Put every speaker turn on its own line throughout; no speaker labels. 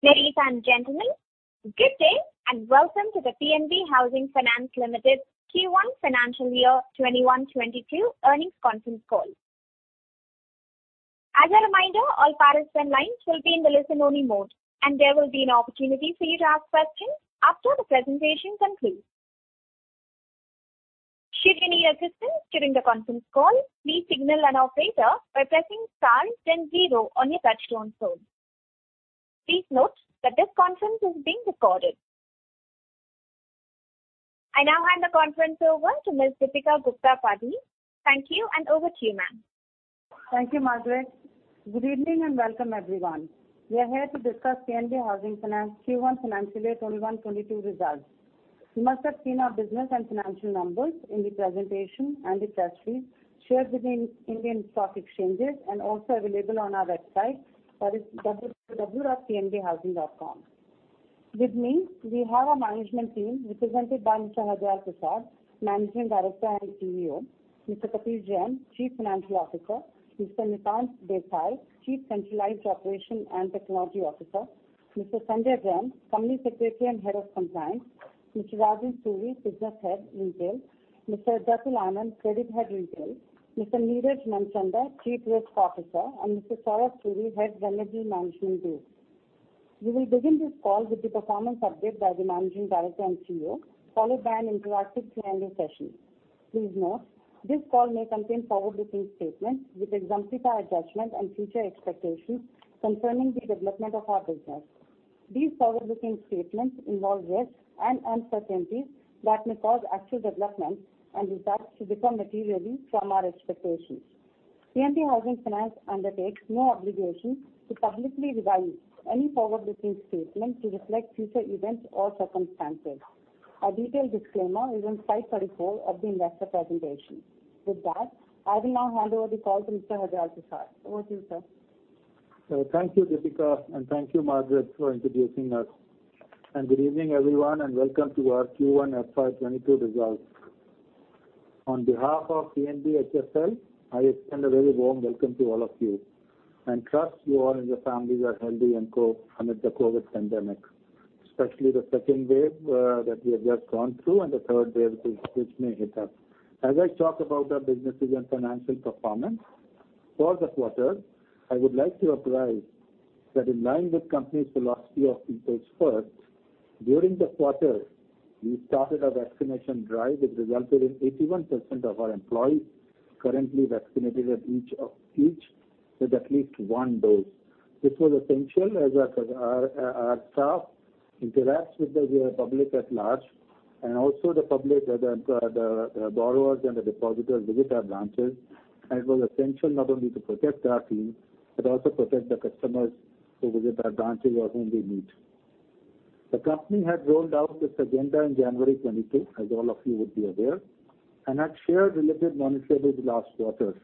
Ladies and gentlemen, good day. Welcome to the PNB Housing Finance Limited Q1 FY 2021/2022 earnings conference call. As a reminder, all participant lines will be in the listen-only mode, and there will be an opportunity for you to ask questions after the presentation concludes. Should you need assistance during the conference call, please signal an operator by pressing star zero on your touchtone phone. Please note that this conference is being recorded. I now hand the conference over to Ms. Deepika Gupta Padhi. Thank you. Over to you, ma'am.
Thank you, Margaret. Good evening, and welcome everyone. We are here to discuss PNB Housing Finance Q1 FY 2021-2022 results. You must have seen our business and financial numbers in the presentation and the press release shared with the Indian stock exchanges and also available on our website. That is www.pnbhousing.com. With me, we have our management team represented by Mr. Hardayal Prasad, Managing Director and CEO, Mr. Kapish Jain, Chief Financial Officer, Mr. Nitant Desai, Chief Centralized Operation and Technology Officer, Mr. Sanjay Jain, Company Secretary and Head of Compliance, Mr. Rajan Suri, Business Head, Retail, Mr. Jatul Anand, Credit Head Retail, Mr. Neeraj Manchanda, Chief Risk Officer, and Mr. Saurabh Suri, Head Remedial Management Group. We will begin this call with the performance update by the Managing Director and CEO, followed by an interactive Q&A session. Please note, this call may contain forward-looking statements which exemplify adjustment and future expectations concerning the development of our business. These forward-looking statements involve risks and uncertainties that may cause actual developments and impacts to differ materially from our expectations. PNB Housing Finance undertakes no obligation to publicly revise any forward-looking statements to reflect future events or circumstances. A detailed disclaimer is on slide 34 of the investor presentation. With that, I will now hand over the call to Mr. Hardayal Prasad. Over to you, sir.
Thank you, Deepika, and thank you, Margaret, for introducing us. Good evening, everyone, and welcome to our Q1 FY 2022 results. On behalf of PNB HFL, I extend a very warm welcome to all of you and trust you all and your families are healthy amid the COVID pandemic, especially the second wave that we have just gone through and the third wave which may hit us. As I talk about our businesses and financial performance for the quarter, I would like to apprise that in line with company's philosophy of people first, during the quarter, we started our vaccination drive, which resulted in 81% of our employees currently vaccinated with at least one dose. This was essential as our staff interacts with the public at large, also the public, the borrowers and the depositors visit our branches, it was essential not only to protect our team but also protect the customers who visit our branches or whom we meet. The company had rolled out this agenda in January 2022, as all of you would be aware. Had shared related initiatives last quarter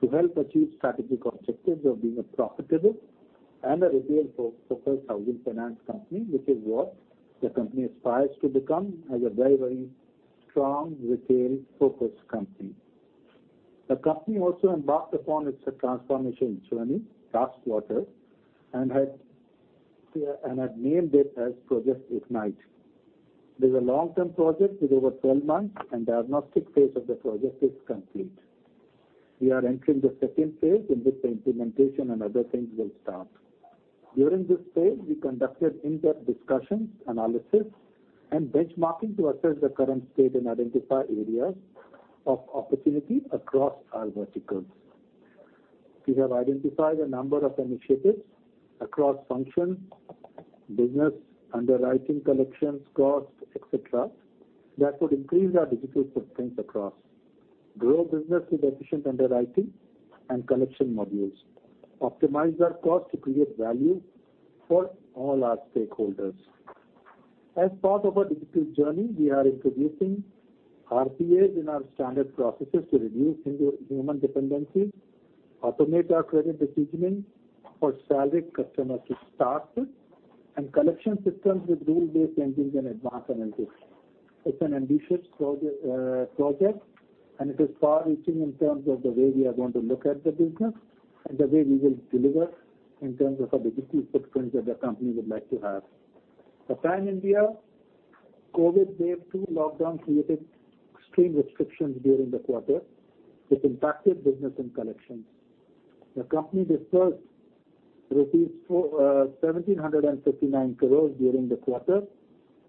to help achieve strategic objectives of being a profitable and a retail-focused housing finance company, which is what the company aspires to become as a very strong retail-focused company. The company also embarked upon its transformation journey last quarter and had named it as Project IGNITE. This is a long-term project with over 12 months, diagnostic phase of the project is complete. We are entering the second phase in which the implementation and other things will start. During this phase, we conducted in-depth discussions, analysis, and benchmarking to assess the current state and identify areas of opportunity across our verticals. We have identified a number of initiatives across function, business, underwriting collections, cost, et cetera, that would increase our digital footprint across. Grow business with efficient underwriting and collection modules. Optimize our cost to create value for all our stakeholders. As part of our digital journey, we are introducing RPAs in our standard processes to reduce human dependencies, automate our credit decisioning for salaried customers to start with, and collection systems with rule-based engines and advanced analytics. It's an ambitious project, and it is far-reaching in terms of the way we are going to look at the business and the way we will deliver in terms of our digital footprint that the company would like to have. For pan India, COVID-19 wave two lockdown created extreme restrictions during the quarter, which impacted business and collections. The company dispersed rupees 1,759 crores during the quarter,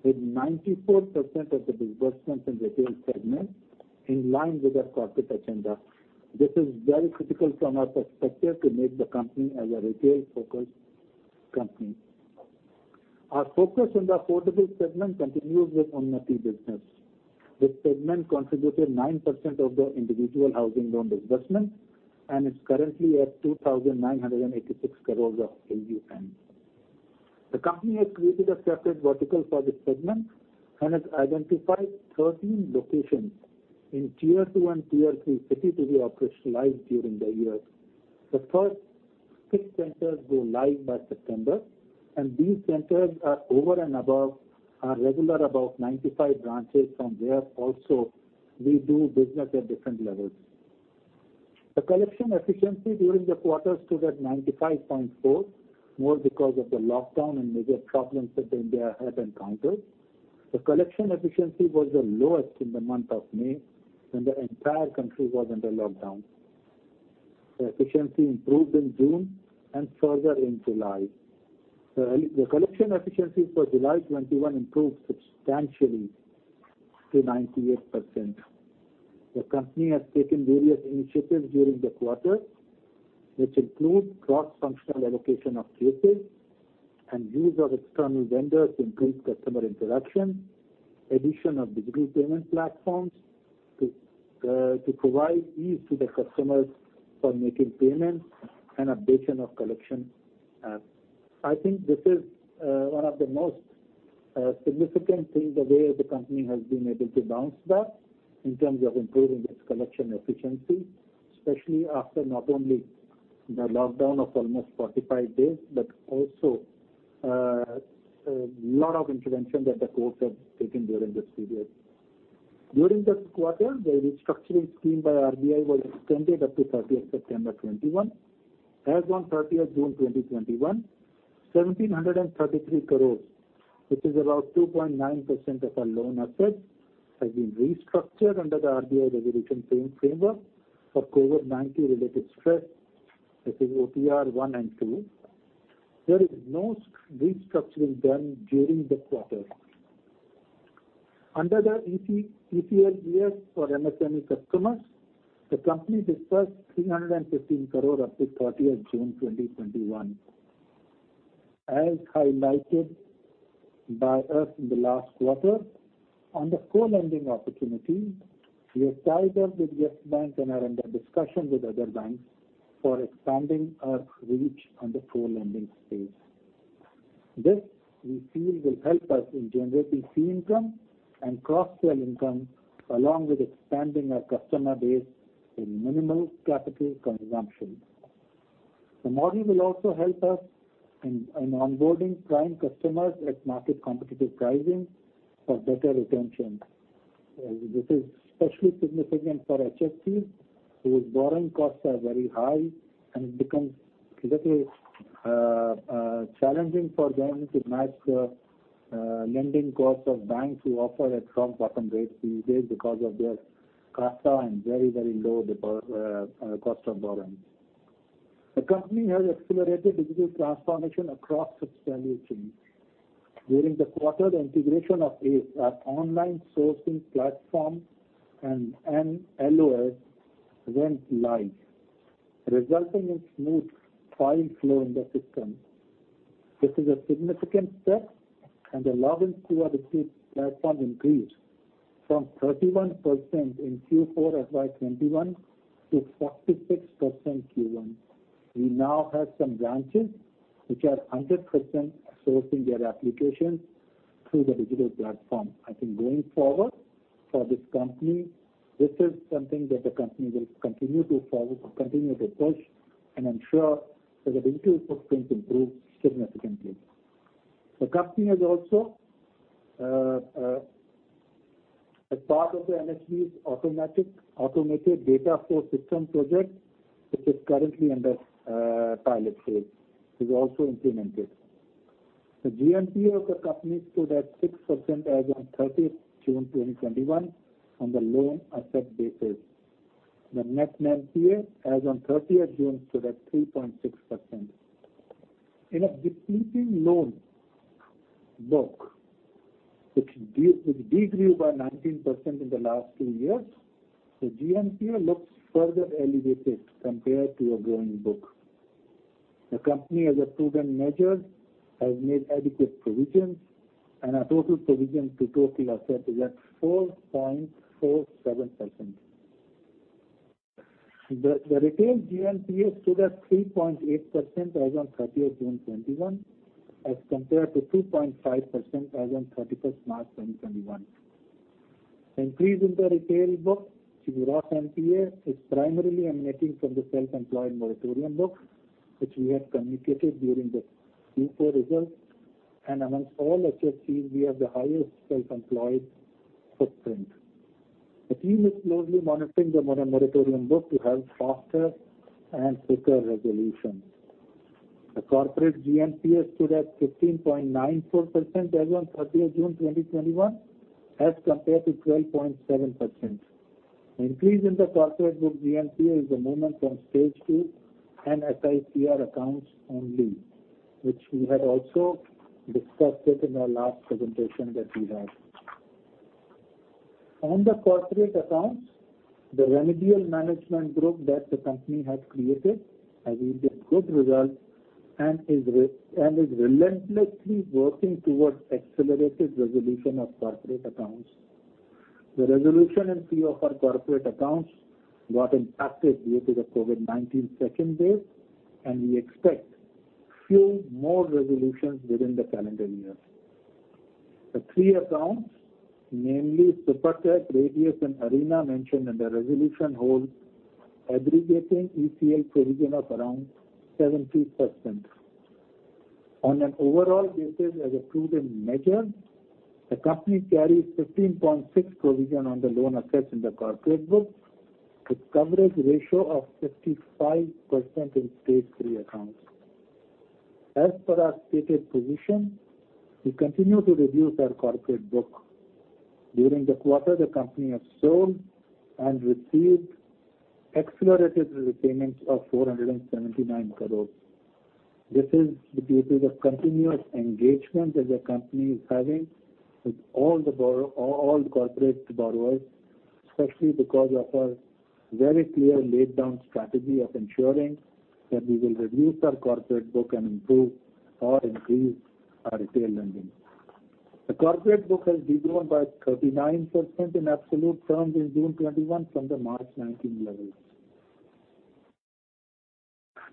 with 94% of the disbursements in retail segment in line with our corporate agenda. This is very critical from our perspective to make the company as a retail-focused company. Our focus in the affordable segment continues with Unnati business. This segment contributed 9% of the individual housing loan disbursement and is currently at 2,986 crores of AUM. The company has created a separate vertical for this segment and has identified 13 locations in Tier 2 and Tier 3 cities to be operationalized during the year. The first six centers go live by September. These centers are over and above our regular above 95 branches from where also we do business at different levels. The collection efficiency during the quarter stood at 95.4%, more because of the lockdown and major problems that India had encountered. The collection efficiency was the lowest in the month of May, when the entire country was under lockdown. The efficiency improved in June and further in July. The collection efficiency for July 2021 improved substantially to 98%. The company has taken various initiatives during the quarter, which include cross-functional allocation of cases and use of external vendors to increase customer interaction, addition of digital payment platforms to provide ease to the customers for making payments, and updation of collection app. I think this is one of the most significant things, the way the company has been able to bounce back in terms of improving its collection efficiency, especially after not only the lockdown of almost 45 days, but also a lot of interventions that the courts have taken during this period. During this quarter, the restructuring scheme by RBI was extended up to September 30th, 2021. As on June 30th, 2021, 1,733 crore, which is about 2.9% of our loan assets, have been restructured under the RBI regulation framework for COVID-19 related stress, that is OTR 1.0 and 2.0. There is no restructuring done during the quarter. Under the ECLGS for MSME customers, the company disbursed 315 crore rupees up to June 30th, 2021. As highlighted by us in the last quarter, on the co-lending opportunity, we have tied up with Yes Bank and are under discussion with other banks for expanding our reach on the co-lending space. This, we feel, will help us in generating fee income and cross-sell income, along with expanding our customer base in minimal capital consumption. The model will also help us in onboarding prime customers at market-competitive pricing for better retention. This is especially significant for HFC, whose borrowing costs are very high, and it becomes little challenging for them to match the lending costs of banks who offer at from bottom rates these days because of their CASA and very low cost of borrowing. The company has accelerated digital transformation across its value chain. During the quarter, the integration of ACE, our online sourcing platform, and LOS went live, resulting in smooth file flow in the system. This is a significant step and the login through our digital platform increased from 31% in Q4 FY 2021 to 46% Q1. We now have some branches which are 100% sourcing their applications through the digital platform. I think going forward, for this company, this is something that the company will continue to push, and I'm sure that the digital footprint improve significantly. The company has also, as part of the MSME's automated data core system project, which is currently under pilot phase, is also implemented. The GNPA of the company stood at 6% as on June 30th, 2021 on the loan asset basis. The net GNPA as on 30th June stood at 3.6%. In a decreasing loan book, which degrew by 19% in the last two years, the GNPA looks further elevated compared to a growing book. The company, as a prudent measure, has made adequate provisions, and our total provisions to total asset is at 4.47%. The retail GNPA stood at 3.8% as on June 30th, 2021, as compared to 2.5% as on March 31st, 2021. Increase in the retail book, the gross NPA, is primarily emanating from the self-employed moratorium book, which we had communicated during the Q4 results. Amongst all HFCs, we have the highest self-employed footprint. The team is closely monitoring the moratorium book to have faster and quicker resolution. The corporate GNPA stood at 15.94% as on 30th June 2021 as compared to 12.7%. Increase in the corporate book GNPA is a movement from Stage 2 and SIPR accounts only, which we had also discussed it in our last presentation that we had. On the corporate accounts, the remedial management group that the company has created has yielded good results and is relentlessly working towards accelerated resolution of corporate accounts. The resolution and fee of our corporate accounts got impacted due to the COVID-19 second wave, and we expect few more resolutions within the calendar year. The three accounts, namely Supertech, Radius, and Arena, mentioned in the resolution hold aggregating ECL provision of around 70%. On an overall basis, as a prudent measure, the company carries 15.6% provision on the loan assets in the corporate book, with coverage ratio of 55% in stage three accounts. As per our stated position, we continue to reduce our corporate book. During the quarter, the company have sold and received accelerated repayments of 479 crores. This is because of the continuous engagement that the company is having with all corporate borrowers, especially because of our very clear laid down strategy of ensuring that we will reduce our corporate book and improve or increase our retail lending. The corporate book has degrown by 39% in absolute terms in June 2021 from the March 2019 levels.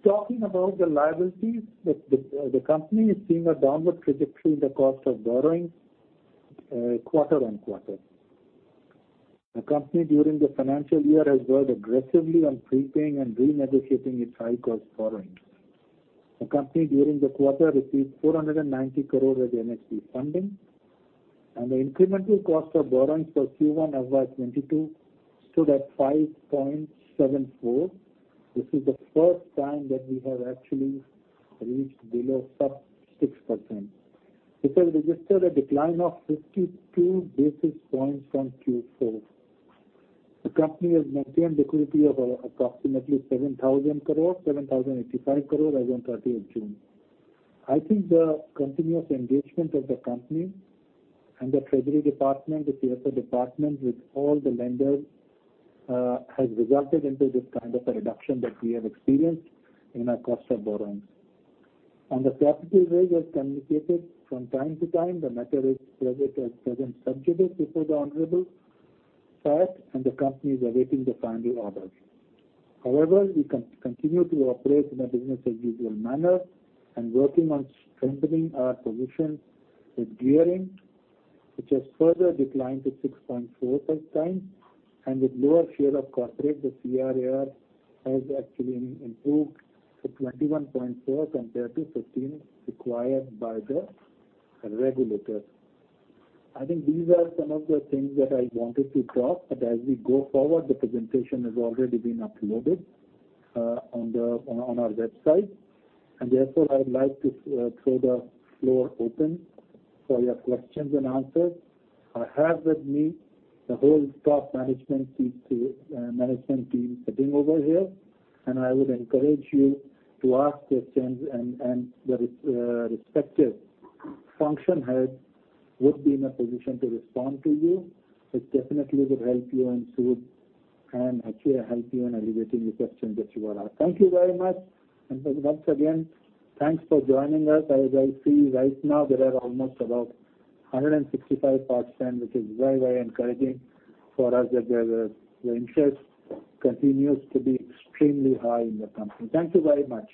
Talking about the liabilities, the company is seeing a downward trajectory in the cost of borrowing quarter on quarter. The company during the financial year has worked aggressively on prepaying and renegotiating its high cost borrowings. The company during the quarter received 490 crore rupees as MSP funding and the incremental cost of borrowings for Q1 FY 2022 stood at 5.74%. This is the first time that we have actually reached below sub 6%. This has registered a decline of 52 basis points from Q4. The company has maintained liquidity of approximately INR 7,000 crore, 7,085 crore as on 30th June. I think the continuous engagement of the company and the treasury department, the CFO department with all the lenders has resulted into this kind of a reduction that we have experienced in our cost of borrowings. On the statutory rate as communicated from time to time, the matter is present as subject before the honorable SAT and the company is awaiting the final orders. However, we continue to operate in a business as usual manner and working on strengthening our position with gearing, which has further declined to 6.4x and with lower share of corporate, the CRAR has actually improved to 21.4% compared to 15% required by the regulators. I think these are some of the things that I wanted to talk, but as we go forward, the presentation has already been uploaded on our website and therefore, I would like to throw the floor open for your questions and answers. I have with me the whole top management team sitting over here and I would encourage you to ask questions and the respective function head would be in a position to respond to you. It definitely would help you and actually help you in alleviating the questions that you all have. Thank you very much and once again, thanks for joining us. As I see right now, there are almost about 165 participants which is very encouraging for us that the interest continues to be extremely high in the company. Thank you very much.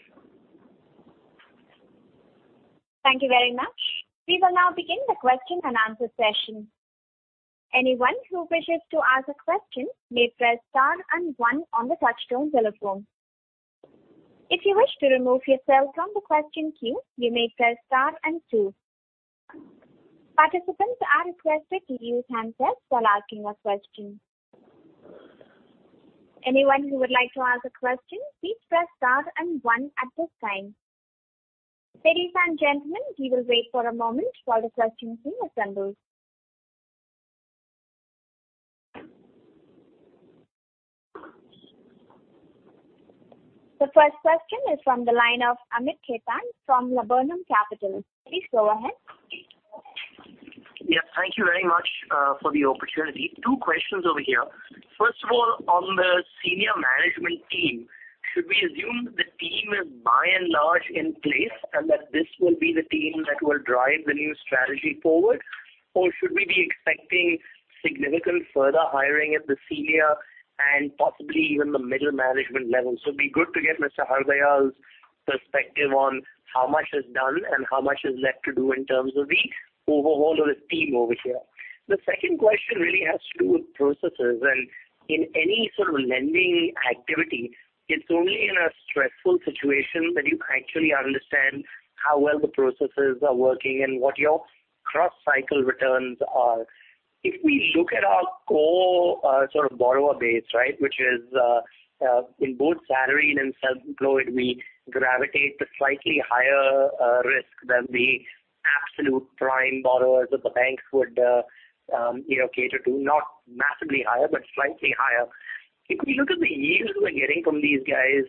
Thank you very much. We will now begin the question and answer session. Anyone who wishes to ask a question may press star and one on the touchtone telephone. If you wish to remove yourself from the question queue, you may press star and two. Participants are requested to use handsets while asking a question. Anyone who would like to ask a question, please press star and one at this time. Ladies and gentlemen, we will wait for a moment while the questions being assembled. The first question is from the line of Amit Khetan from Laburnum Capital. Please go ahead.
Yes, thank you very much for the opportunity. Two questions over here. First of all, on the senior management team, should we assume the team is by and large in place and that this will be the team that will drive the new strategy forward or should we be expecting significant further hiring at the senior and possibly even the middle management level? Be good to get Mr. Hardayal's perspective on how much is done and how much is left to do in terms of the overhaul of the team over here. The second question really has to do with processes and in any sort of lending activity, it's only in a stressful situation that you actually understand how well the processes are working and what your cross cycle returns are. If we look at our core sort of borrower base, right, which is in both salaried and self-employed, we gravitate to slightly higher risk than the absolute prime borrowers that the banks would cater to, not massively higher, but slightly higher. If we look at the yields we're getting from these guys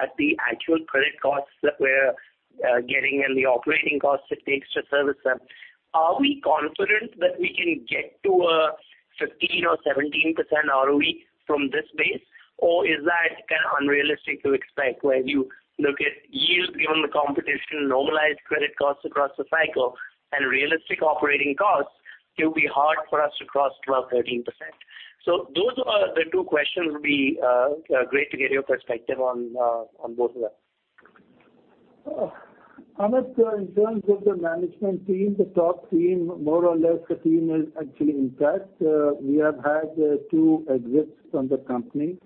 at the actual credit costs that we're getting and the operating costs it takes to service them, are we confident that we can get to a 15% or 17% ROE from this base or is that kind of unrealistic to expect when you look at yields given the competition, normalized credit costs across the cycle and realistic operating costs, it'll be hard for us to cross 12%, 13%. Those are the two questions. Would be great to get your perspective on both of them.
Amit, in terms of the management team, the top team, more or less the team is actually intact. We have had two exits from the company.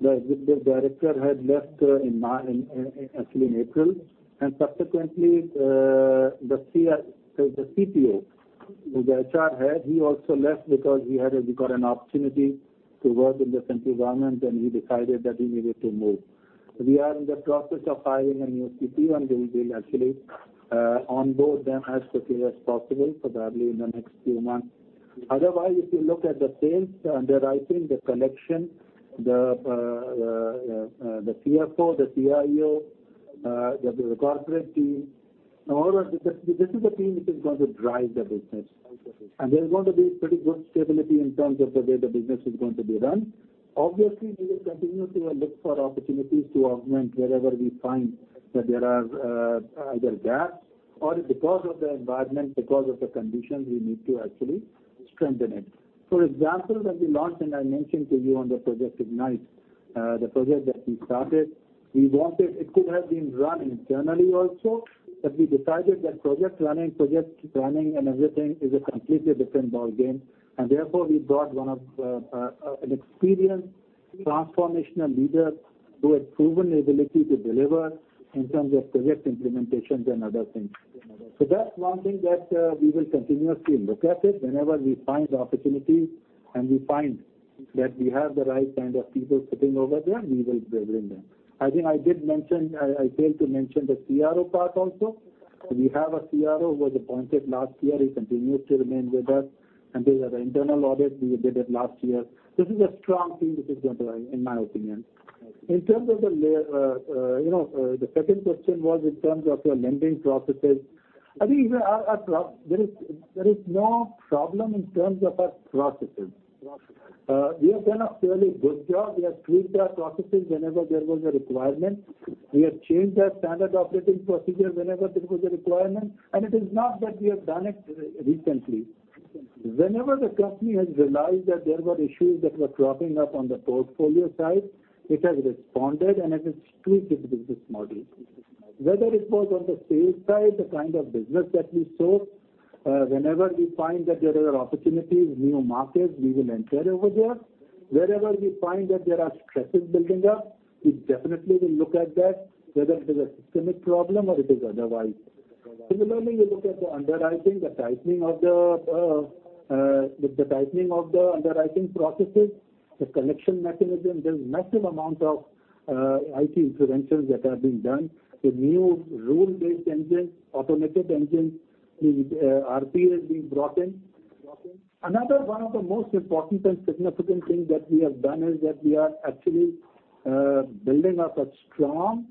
The executive director had left actually in April, and subsequently, the CPO, the HR head, he also left because he got an opportunity to work in the central government, and he decided that he needed to move. We are in the process of hiring a new CPO. We will actually onboard them as quickly as possible, probably in the next few months. Otherwise, if you look at the sales, the underwriting, the collection, the CFO, the CIO, the corporate team, this is the team which is going to drive the business.
Absolutely.
There's going to be pretty good stability in terms of the way the business is going to be run. Obviously, we will continue to look for opportunities to augment wherever we find that there are either gaps, or because of the environment, because of the conditions we need to actually strengthen it. For example, when we launched, and I mentioned to you on the Project IGNITE, the project that we started, it could have been run internally also, but we decided that project running and everything is a completely different ball game. Therefore, we brought an experienced transformational leader who had proven ability to deliver in terms of project implementations and other things. That's one thing that we will continuously look at it whenever we find the opportunity, and we find that we have the right kind of people sitting over there, we will bring them. I think I failed to mention the CRO part also. We have a CRO who was appointed last year. He continues to remain with us, and there is an internal audit. We did it last year. This is a strong team which is going to run, in my opinion. In terms of the second question was in terms of the lending processes. I think there is no problem in terms of our processes. We have done a fairly good job. We have tweaked our processes whenever there was a requirement. We have changed our standard operating procedure whenever there was a requirement, and it is not that we have done it recently. Whenever the company has realized that there were issues that were cropping up on the portfolio side, it has responded and has tweaked its business model. Whether it was on the sales side, the kind of business that we sold, whenever we find that there are opportunities, new markets, we will enter over there. Wherever we find that there are stresses building up, we definitely will look at that, whether it is a systemic problem or it is otherwise. Similarly, we look at the underwriting, with the tightening of the underwriting processes, the collection mechanism. There's massive amount of IT interventions that are being done. The new rule-based engine, automated engine, RPA is being brought in. Another one of the most important and significant thing that we have done is that we are actually building up a strong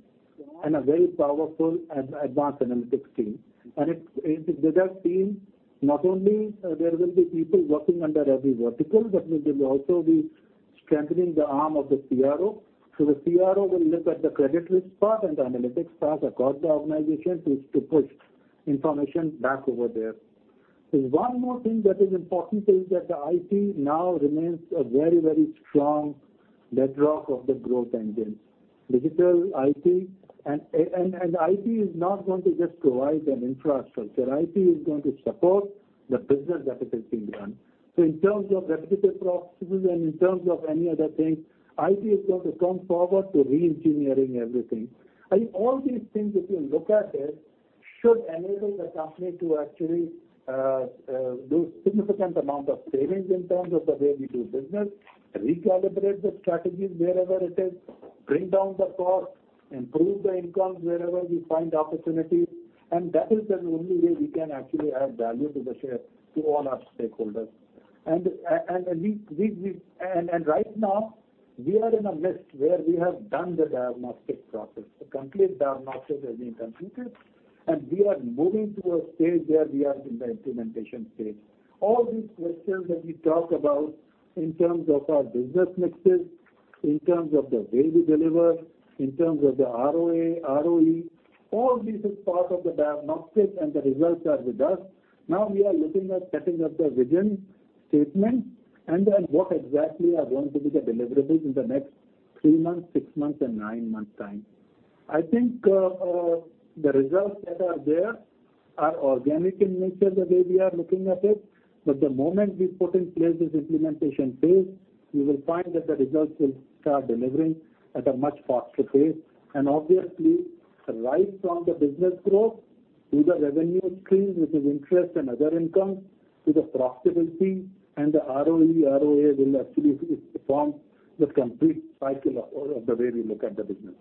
and a very powerful advanced analytics team. With that team, not only there will be people working under every vertical, but we will also be strengthening the arm of the CRO. The CRO will look at the credit risk part and the analytics part across the organization to push information back over there. There's one more thing that is important is that the IT now remains a very strong bedrock of the growth engine. Digital IT. IT is not going to just provide an infrastructure. IT is going to support the business that is being done. In terms of repetitive processes and in terms of any other thing, IT is going to come forward to re-engineering everything. I think all these things, if you look at it, should enable the company to actually do significant amount of savings in terms of the way we do business, recalibrate the strategies wherever it is, bring down the cost, improve the incomes wherever we find opportunities. That is the only way we can actually add value to the share, to all our stakeholders. Right now, we are in a midst where we have done the diagnostic process. The complete diagnostic has been completed, and we are moving to a stage where we are in the implementation stage. All these questions that we talk about in terms of our business mixes, in terms of the way we deliver, in terms of the ROA, ROE, all this is part of the diagnostic and the results are with us. Now we are looking at setting up the vision statement and then what exactly are going to be the deliverables in the next three months, six months, and nine-month time. I think the results that are there are organic in nature the way we are looking at it. The moment we put in place this implementation phase, you will find that the results will start delivering at a much faster pace. Obviously, right from the business growth to the revenue stream, which is interest and other income, to the profitability and the ROE, ROA will actually perform the complete cycle of the way we look at the business.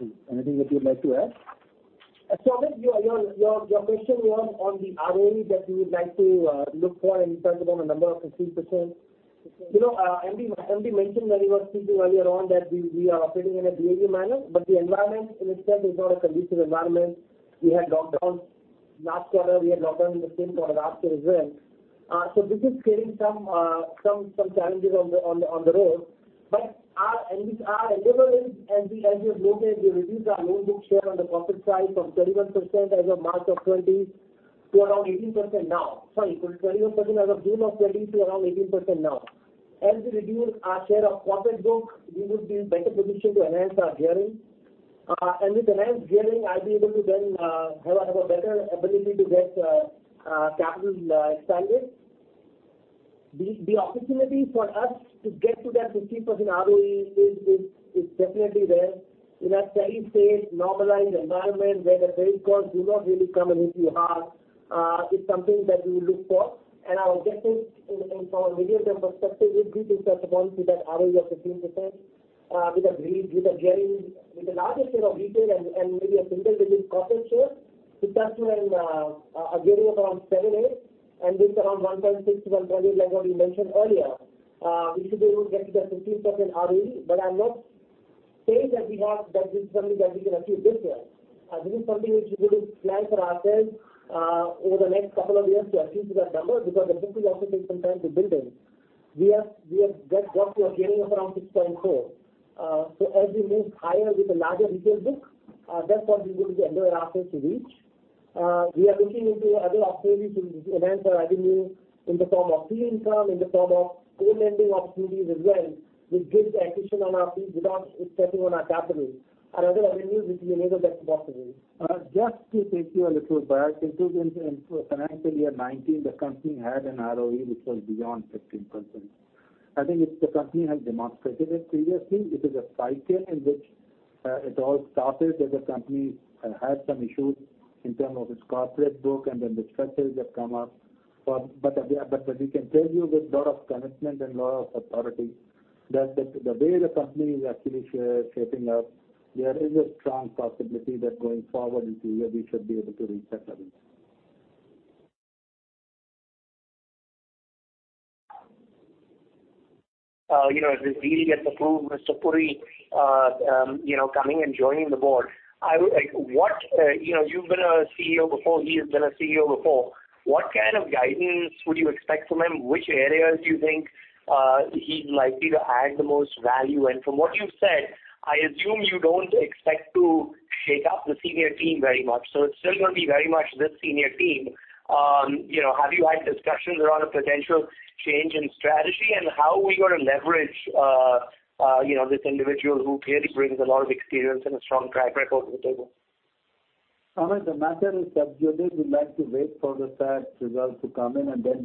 Anything that you would like to add?
Amit, your question was on the ROE that you would like to look for in terms of on a number of 15%. MD mentioned when he was speaking earlier on that we are operating in a B2B manner, but the environment in itself is not a conducive environment. We had lockdowns last quarter, we had lockdowns in the quarter after as well. This is creating some challenges on the road. Our endeavor is, as you have noted, we reduced our loan book share on the corporate side from 31% as of March of 2020 to around 18% now. Sorry, from 31% as of June of 2020 to around 18% now. As we reduce our share of corporate book, we will be in better position to enhance our gearing With enhanced gearing, I'll be able to then have a better ability to get capital expanded. The opportunity for us to get to that 15% ROE is definitely there. In a steady state, normalized environment where the very COVID-19 do not really come and hit you hard, it's something that we look for. Our objective from a medium-term perspective is to be able to come to that ROE of 15% with a gearing. With a larger share of retail and maybe a single-digit corporate share, we come to a gearing around seven, eight, and with around 1.6-1.8, like what we mentioned earlier, we should be able to get to that 15% ROE. I'm not saying that this is something that we can achieve this year. This is something which we would plan for ourselves over the next couple of years to achieve that number because the business also takes some time to build in. We have got to a gearing of around 6.4. As we move higher with a larger retail book, that's what we're going to endeavor ourselves to reach. We are looking into other opportunities to enhance our avenues in the form of fee income, in the form of co-lending opportunities as well, which gives the accretion on our fees without stepping on our capital and other avenues which we enable that's possible.
Just to take you a little back into financial year 2019, the company had an ROE which was beyond 15%. I think if the company has demonstrated it previously, it is a cycle in which it all started that the company had some issues in terms of its corporate book and then the stresses that come up. What we can tell you with a lot of commitment and a lot of authority that the way the company is actually shaping up, there is a strong possibility that going forward into a year, we should be able to reach that level.
If the deal gets approved, Mr. Puri coming and joining the board. You've been a CEO before, he has been a CEO before. What kind of guidance would you expect from him? Which areas do you think he's likely to add the most value? From what you've said, I assume you don't expect to shake up the senior team very much. It's still going to be very much this senior team. Have you had discussions around a potential change in strategy and how are we going to leverage this individual who clearly brings a lot of experience and a strong track record to the table?
Amit, the matter is subjudice. We'd like to wait for the SAT results to come in and then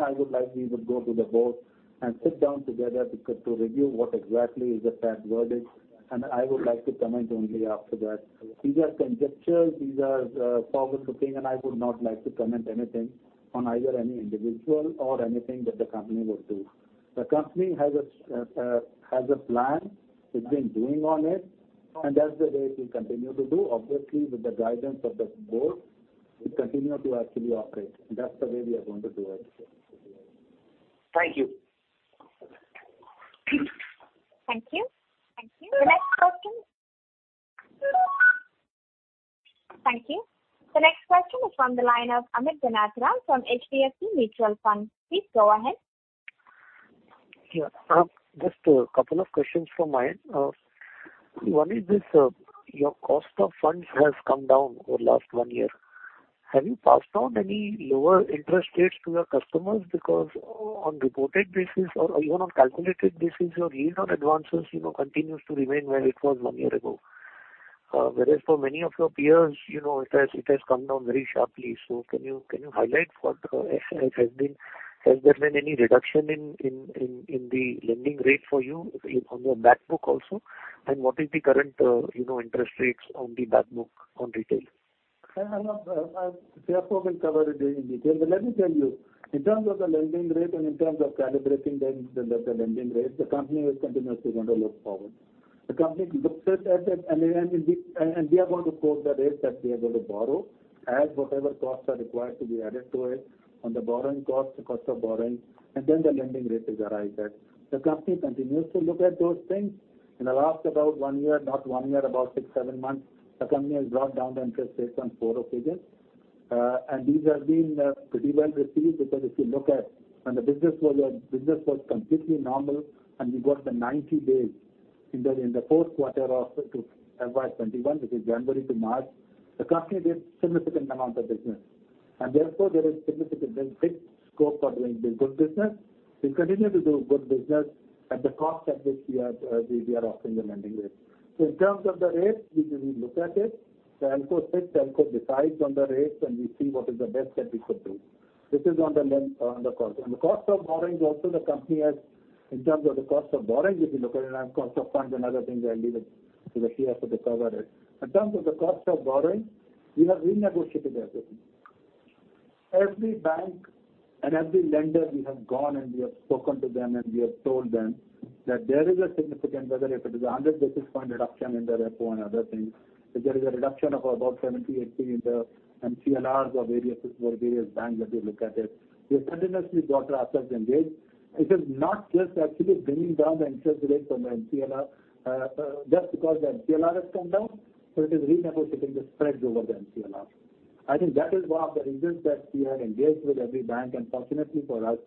I would like we would go to the board and sit down together to review what exactly is the SAT verdict and I would like to comment only after that. These are conjectures, these are forward-looking and I would not like to comment anything on either any individual or anything that the company would do. The company has a plan. It's been doing on it and that's the way we continue to do. Obviously, with the guidance of the board, we continue to actually operate and that's the way we are going to do it.
Thank you.
Thank you. The next question is from the line of Amit Ganatra from HDFC Mutual Funds. Please go ahead.
Yeah. Just a couple of questions from my end. One is this, your cost of funds has come down over last one year. Have you passed on any lower interest rates to your customers? Because on reported basis or even on calculated basis, your yield on advances continues to remain where it was one year ago. Whereas for many of your peers, it has come down very sharply. Can you highlight, has there been any reduction in the lending rate for you on your back book also? What is the current interest rates on the back book on retail?
CFO will cover it in detail. Let me tell you, in terms of the lending rate and in terms of calibrating the lending rate, the company is continuously going to look forward. The company looks at it and we are going to quote the rates that we are going to borrow, add whatever costs are required to be added to it on the borrowing cost, the cost of borrowing, and then the lending rate is arrived at. The company continues to look at those things. In the last about one year, not one year, about six, seven months, the company has brought down the interest rates on four occasions. These have been pretty well received because if you look at when the business was completely normal and you got the 90 days in the fourth quarter of FY 2021, which is January to March, the company did significant amount of business. Therefore there is significant big scope for doing good business. We continue to do good business at the cost at which we are offering the lending rate. In terms of the rates, we look at it. The ALCO sits, ALCO decides on the rates and we see what is the best that we could do. This is on the cost. The cost of borrowing also the company has, in terms of the cost of borrowing, if you look at it, and cost of funds and other things, I'll leave it to the CFO to cover it. In terms of the cost of borrowing, we have renegotiated everything. Every bank and every lender we have gone and we have spoken to them and we have told them that there is a significant, whether if it is 100 basis point reduction in the repo and other things, if there is a reduction of about 70, 80 in the MCLRs of various banks that we look at it. We have continuously brought our assets in this. It is not just actually bringing down the interest rate from the MCLR just because the MCLR has come down, but it is renegotiating the spreads over the MCLR. I think that is one of the reasons that we have engaged with every bank and fortunately for us,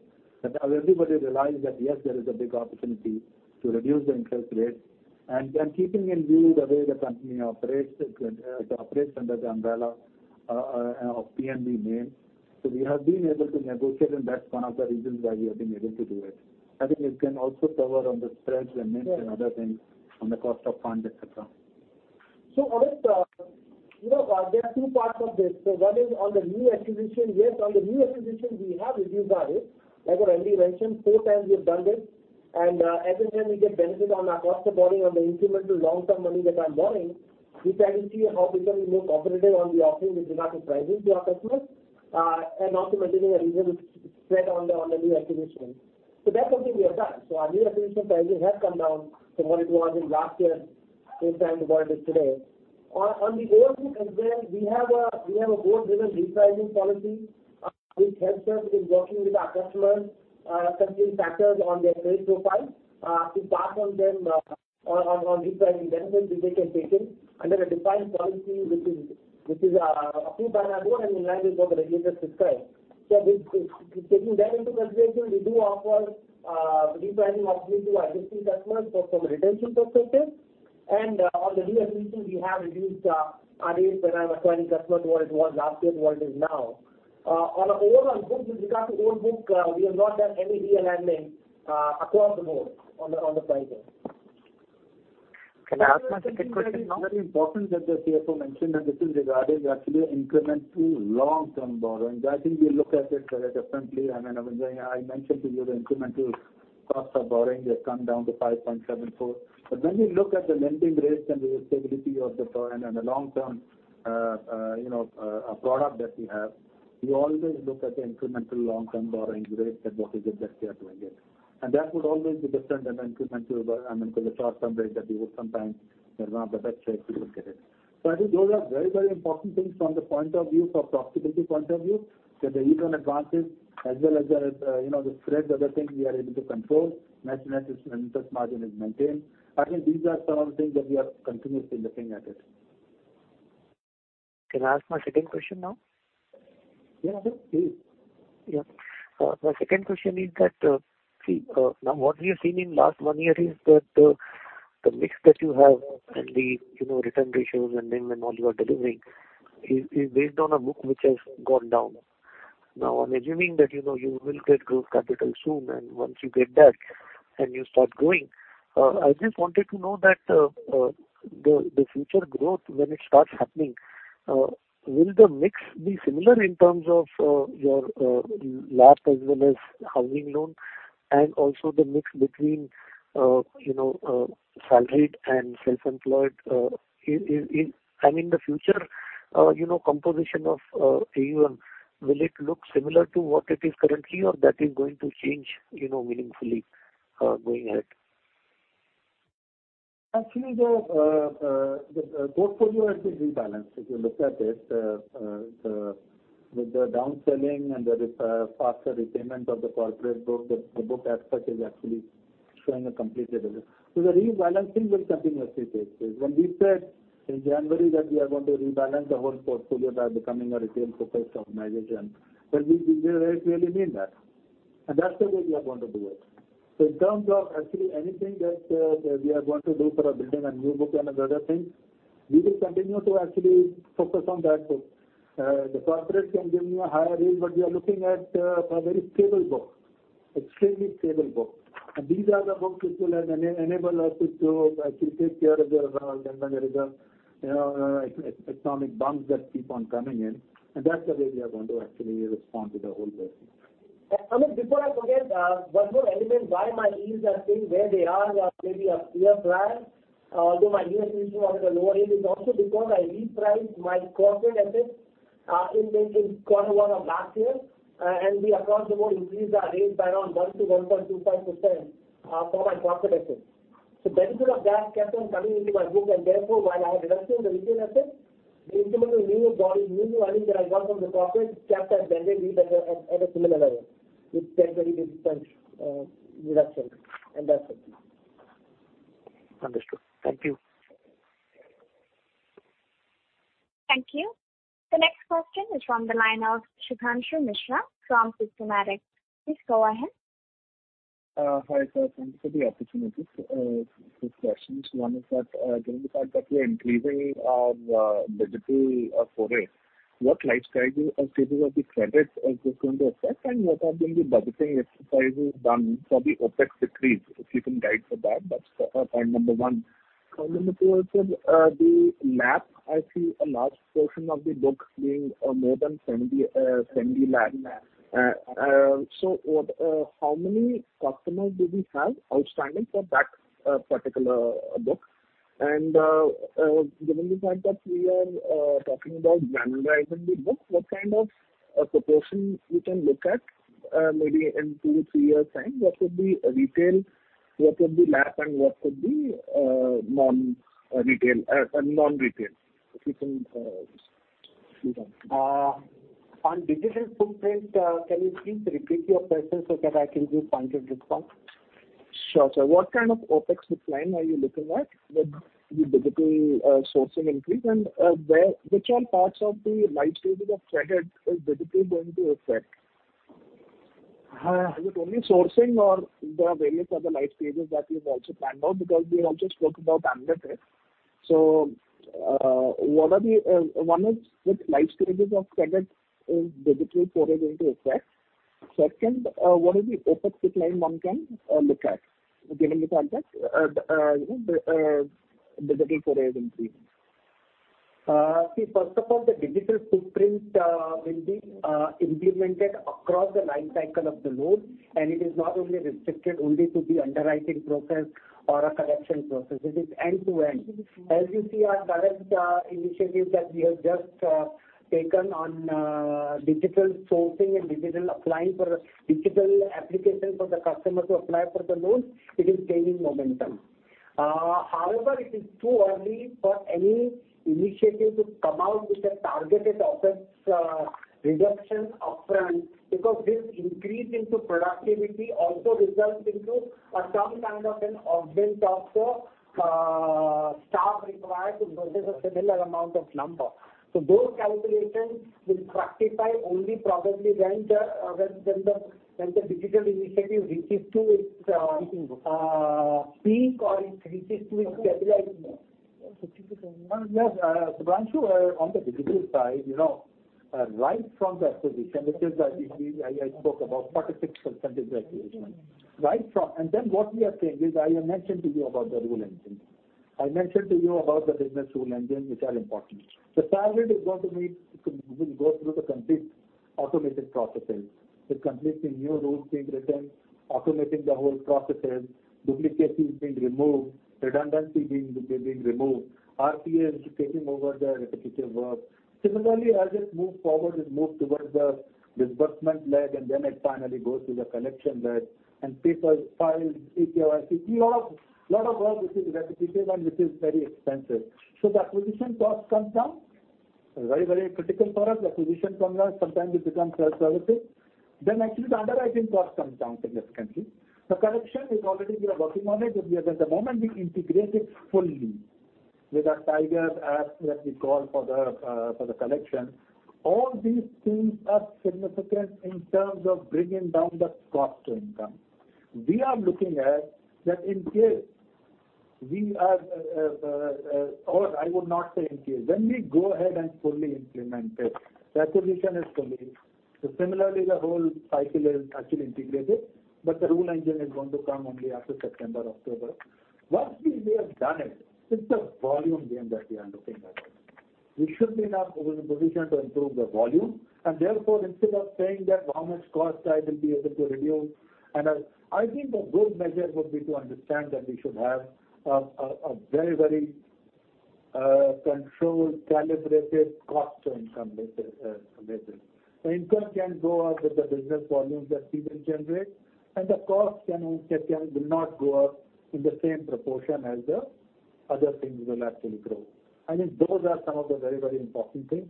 that everybody realized that yes, there is a big opportunity to reduce the interest rates and then keeping in view the way the company operates under the umbrella of PNB name We have been able to negotiate and that's one of the reasons why we have been able to do it. I think it can also cover on the spreads and NIMs and other things from the cost of funds, et cetera.
Amit, there are two parts of this. One is on the new acquisition. Yes, on the new acquisition, we have reduced our rates. Like what MD mentioned, four times we have done this and every time we get benefit on our cost of borrowing on the incremental long-term money that I'm borrowing, we try to see how we can be more cooperative on the offerings with regard to pricing to our customers and also maintaining a reasonable spread on the new acquisitions. That's something we have done. Our new acquisition pricing has come down from what it was in last year this time to what it is today. On the old book as well, we have a board-driven repricing policy which helps us in working with our customers, considering factors on their trade profile to pass on them on repricing benefit which they can take in under a defined policy which is approved by our board and in line with what the regulators prescribe. Taking that into consideration, we do offer repricing opportunity to our existing customers from a retention perspective. On the new acquisitions, we have reduced our rates when I'm acquiring customer to what it was last year to what it is now. On overall book with regard to old book, we have not done any real alignment across the board on the pricing.
Can I ask my second question now?
There is something very important that the CFO mentioned and this is regarding actually incremental long-term borrowing. That I think we look at it very differently. I mean, I mentioned to you the incremental cost of borrowing has come down to 5.74. When we look at the lending rates and the stability of the long-term product that we have, we always look at the incremental long-term borrowing rate than what is it that we are doing it and that would always be different than incremental to the short-term rate that we would sometimes. That's not the best way to look at it. I think those are very important things from the profitability point of view that the even advances as well as the spread other things we are able to control, net interest margin is maintained. I think these are some of the things that we are continuously looking at it.
Can I ask my second question now?
Yeah, please.
My second question is that, now what we have seen in last one year is that the mix that you have and the return ratios and NIM and all you are delivering is based on a book which has gone down. I'm assuming that you will get growth capital soon and once you get that and you start growing, I just wanted to know that the future growth when it starts happening, will the mix be similar in terms of your LAP as well as housing loan and also the mix between salaried and self-employed? In the future composition of AUM, will it look similar to what it is currently or that is going to change meaningfully going ahead?
Actually, the portfolio has been rebalanced. If you look at it, with the down-selling and the faster repayment of the corporate book, the book as such is actually showing a completely different. The rebalancing will continuously take place. When we said in January that we are going to rebalance the whole portfolio by becoming a retail-focused organization, then we really mean that and that's the way we are going to do it. In terms of actually anything that we are going to do for building a new book and other things, we will continue to actually focus on that book. The corporates can give me a higher rate, but we are looking at a very stable book, extremely stable book. These are the books which will enable us to actually take care of the economic bumps that keep on coming in and that's the way we are going to actually respond to the whole business.
Amit, before I forget, one more element why my yields are staying where they are maybe a clear trend, although my new business is at a lower yield is also because I repriced my corporate assets in maybe Q1 of last year and we across the board increased our rates by around 1%-1.25% for my corporate assets. Benefit of that kept on coming into my book and therefore while I was reducing the retail assets, the incremental new volume that I got from the corporate kept that benefit at a similar level with very little difference reduction and that's it.
Understood. Thank you.
Thank you. The next question is from the line of Shubhranshu Mishra from Systematix. Please go ahead.
Hi, sir. Thank you for the opportunity. Two questions. One is that given the fact that we are increasing our digital foray, what life cycle or stages of the credits is this going to affect and what are going to be budgeting exercises done for the OPEX decrease, if you can guide for that? That's point number one. Coming towards the LAP, I see a large portion of the book being more than semi-lap. How many customers do we have outstanding for that particular book? Given the fact that we are talking about granularizing the book, what kind of proportion we can look at maybe in two to three years' time? What could be retail, what could be LAP and what could be non-retail, if you can do that?
On digital footprint, can you please repeat your question so that I can give pointed response?
Sure, sir. What kind of OPEX decline are you looking at with the digital sourcing increase and which all parts of the life stages of credit is digital going to affect? Is it only sourcing or there are various other life stages that you've also planned out? We also spoke about Amit. One is which life stages of credit is digital foray going to affect? Second, what is the OPEX decline one can look at giving the fact that digital foray is increasing?
See, first of all, the digital footprint will be implemented across the life cycle of the loan, and it is not only restricted only to the underwriting process or a collection process. It is end to end. As you see our direct initiative that we have just taken on digital sourcing and digital application for the customer to apply for the loans, it is gaining momentum. However, it is too early for any initiative to come out with a targeted OPEX reduction upfront because this increase into productivity also results into some kind of an augment of the staff required to process a similar amount of lump sum. Those calculations will fructify only probably when the digital initiative reaches to its peak or it reaches to its stabilized state.
Yes, Shubhranshu, on the digital side, right from the acquisition, which is I spoke about 46% acquisition. What we are saying is, I mentioned to you about the rule engine. I mentioned to you about the business rule engine, which are important. The target is going to go through the complete automated processes. The completely new rules being written, automating the whole processes, duplicacy is being removed, redundancy being removed, RCAs taking over the repetitive work. Similarly, as it moves forward, it moves towards the disbursement leg it finally goes to the collection leg and papers, files, et cetera, lot of work which is repetitive and which is very expensive. The acquisition cost comes down. Very critical for us. The acquisition comes down, sometimes it becomes self-service. Actually the underwriting cost comes down significantly. The collection is already we are working on it. At the moment we integrate it fully with our TIGERS app that we call for the collection. All these things are significant in terms of bringing down the cost to income. We are looking at that. I would not say in case. When we go ahead and fully implement it, the acquisition is complete. Similarly, the whole cycle is actually integrated, but the rule engine is going to come only after September, October. Once we have done it's a volume game that we are looking at. We should be now in a position to improve the volume, and therefore instead of saying that how much cost I will be able to reduce. I think a good measure would be to understand that we should have a very controlled, calibrated cost to income measure. The income can go up with the business volumes that we will generate, and the cost will not go up in the same proportion as the other things will actually grow. I think those are some of the very important things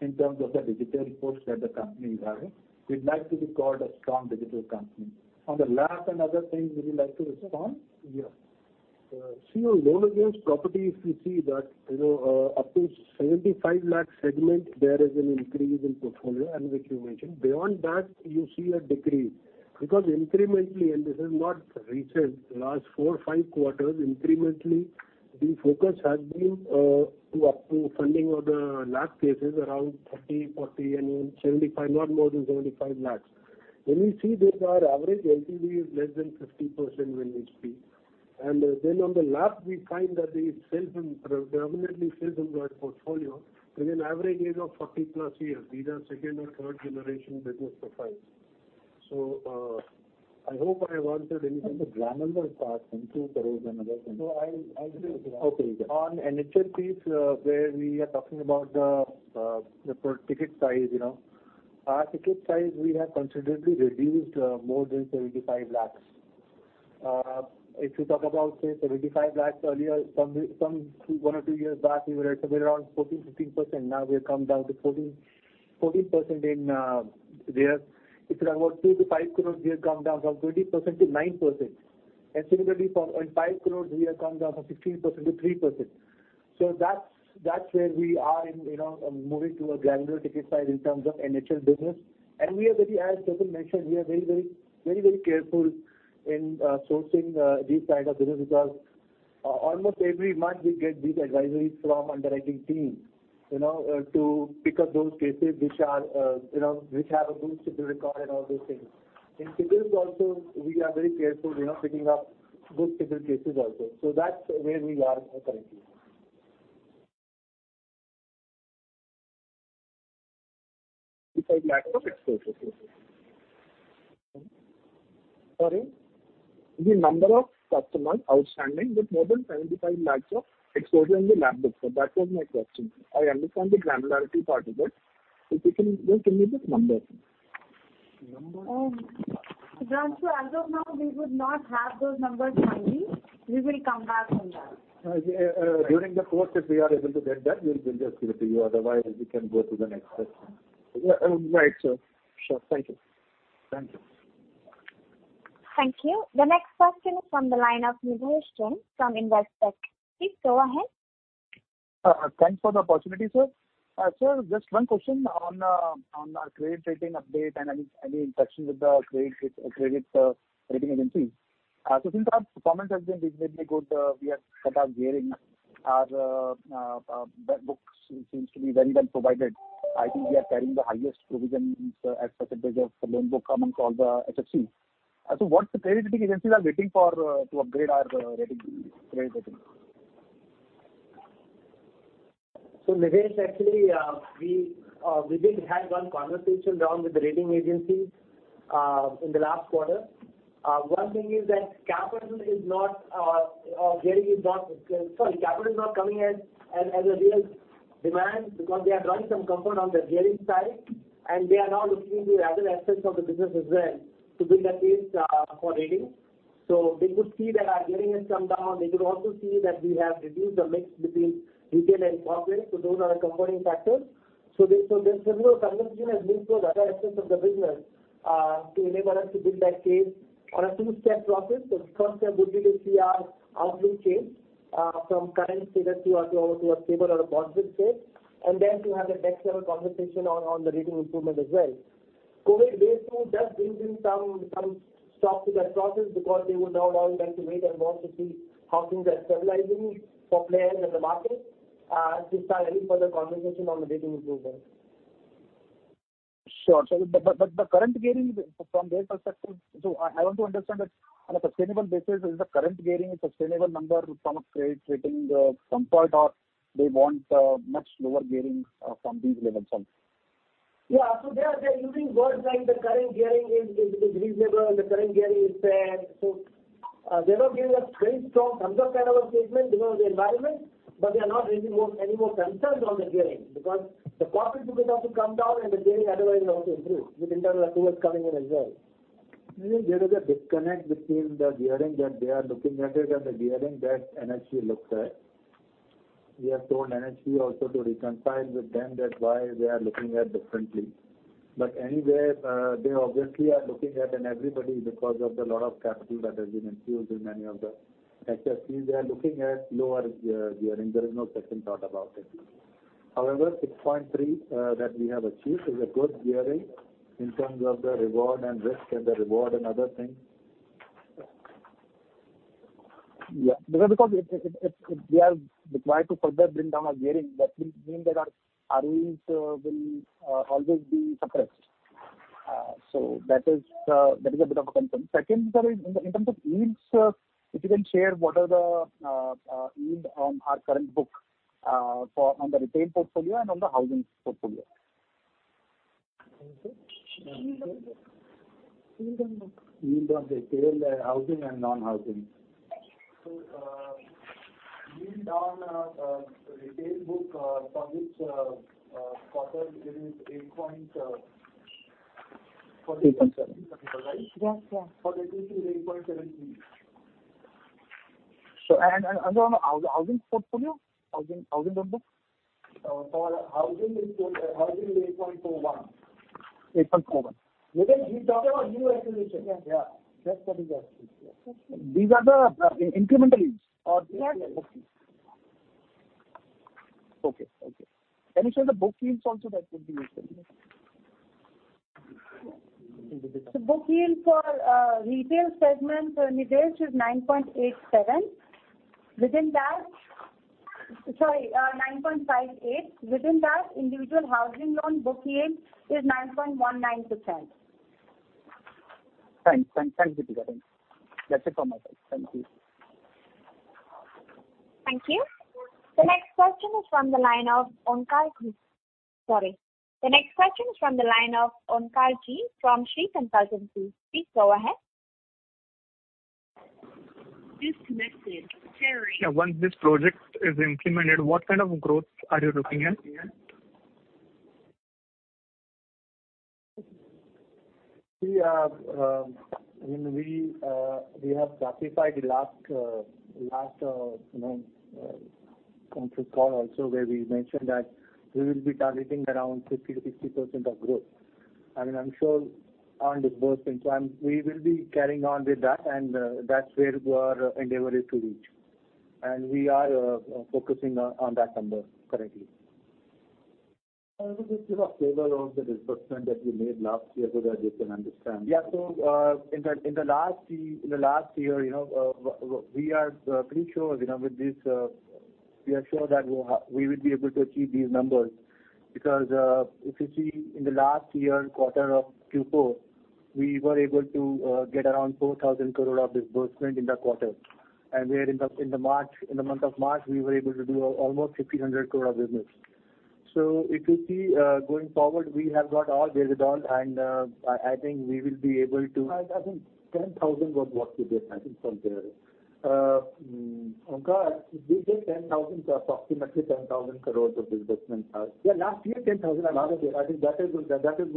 in terms of the digital push that the company is having. We'd like to be called a strong digital company. On the LAP and other things, would you like to respond?
Yes. Our loan against property, if you see that up to 75 lakh segment, there is an increase in portfolio and which you mentioned. Beyond that, you see a decrease because incrementally, and this is not recent, last four or five quarters incrementally, the focus has been to up to funding on the LAP cases around 30 lakh, 40 lakh and 75 lakh, not more than 75 lakh. We see this, our average LTV is less than 50% when we speak. On the LAP, we find that it predominantly stays in that portfolio with an average age of 40+ years. These are second or third generation business profiles. I hope I answered anything.
On NHLPs where we are talking about the ticket size. Our ticket size we have considerably reduced more than 75 lakhs. If you talk about, say, 75 lakhs earlier, from one or two years back, we were at somewhere around 14%, 15%. We have come down to 14% in there. If you talk about 2 crores-5 crores, we have come down from 20% to 9%. Similarly, for 5 crores, we have come down from 15% to 3%. That's where we are in moving to a granular ticket size in terms of NHL business. As Jatul mentioned, we are very careful in sourcing this kind of business because almost every month we get these advisories from underwriting team, to pick up those cases which have a good CIBIL record and all those things. In CIBIL also, we are very careful, picking up good CIBIL cases also. That's where we are currently.
The number of customers outstanding with more than 75 lakhs of exposure in the LAP books. That was my question. I understand the granularity part of it. If you can just give me the number.
Shubhranshu, as of now, we would not have those numbers handy. We will come back on that.
During the course, if we are able to get that, we'll just give it to you. Otherwise, we can go to the next question.
Thank you. The next question is from the line of Nidhesh Jain from Investec. Please go ahead.
Thanks for the opportunity, sir. Sir, just one question on credit rating update and any interaction with the credit rating agencies. Since our performance has been reasonably good, we have cut our gearing. Our books seems to be very well provided. I think we are carrying the highest provisions as percentage of loan book among all the HFCs. What the credit rating agencies are waiting for to upgrade our credit rating?
Nidhesh, actually, we did have one conversation round with the rating agencies in the last quarter. One thing is that capital is not coming in as a real demand because they are drawing some comfort on the gearing side and they are now looking into other aspects of the business as well to build that case for rating. They could see that our gearing has come down. They could also see that we have reduced the mix between retail and corporate, so those are the comforting factors. There's several conversation has been to other aspects of the business, to enable us to build that case on a two-step process. The first step would be to see our outlook change from current status to almost a stable or a positive state, and then to have a next level conversation on the rating improvement as well. COVID-19 wave two does bring in some stop to that process because they would now like to wait and want to see how things are stabilizing for players in the market to start any further conversation on the rating improvement.
Sure. The current gearing from their perspective, so I want to understand that on a sustainable basis, is the current gearing a sustainable number from a credit rating standpoint or they want much lower gearing from these levels?
Yeah. They are using words like the current gearing is reasonable and the current gearing is fair. They're not giving a very strong thumbs up kind of a statement because of the environment, but they are not raising any more concerns on the gearing because the corporate book has also come down and the gearing otherwise will also improve with internal accruals coming in as well.
I think there is a disconnect between the gearing that they are looking at it and the gearing that NHB looks at. We have told NHB also to reconcile with them that why they are looking at differently. Anyway, they obviously are looking at, and everybody because of the lot of capital that has been infused in many of the HFCs. They are looking at lower gearing. There is no second thought about it. However, 6.3x that we have achieved is a good gearing in terms of the reward and risk and the reward and other things.
Yeah. Because if we are required to further bring down our gearing, that will mean that our yields will always be suppressed. That is a bit of a concern. Second, sir, in terms of yields, if you can share what are the yield on our current book on the retail portfolio and on the housing portfolio?
Yield on book. Yield on retail housing and non-housing. Yield on retail book for which quarter it is 8.7%. For Q3, 8.7%.
On housing portfolio? Housing number.
For housing, 8.01%.
8.01%.
Nidhesh, he's talking about new acquisition. Yeah. That's what he's asking.
These are the incremental yields?
Yes.
Okay. Can you share the book yields also that could be useful?
Book yield for retail segment, Nidhesh, is 9.58%. Within that individual housing loan book yield is 9.19%-10%.
Thanks, Deepika. That's it from my side. Thank you.
Thank you. The next question is from the line of Omkar G from Shree Consultants. Please go ahead.
Once this project is implemented, what kind of growth are you looking at?
We have ratified last conference call also where we mentioned that we will be targeting around 50%-60% of growth. I mean, I'm sure on disbursement, we will be carrying on with that and that's where our endeavor is to reach. We are focusing on that number currently.
Just give a flavor of the disbursement that we made last year so that they can understand.
Yeah. In the last year, we are sure that we will be able to achieve these numbers because if you see in the last year quarter of Q4, we were able to get around 4,000 crore of disbursement in that quarter. In the month of March, we were able to do almost 1,500 crore business. If you see going forward, we have got all geared up and I think 10,000 was what we did from there.
Omkar, we did approximately 10,000 crores of disbursement. I think that is